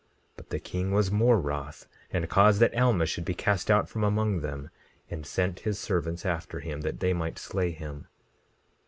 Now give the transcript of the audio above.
17:3 But the king was more wroth, and caused that Alma should be cast out from among them, and sent his servants after him that they might slay him.